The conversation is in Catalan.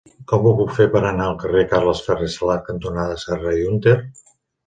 Com ho puc fer per anar al carrer Carles Ferrer Salat cantonada Serra i Hunter?